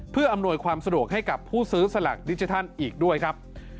เพื่ออำนวยความสะดวกให้กับผู้ซื้อสลักดิจิทัลอีกด้วยครับ